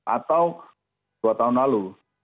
atau dua tahun lalu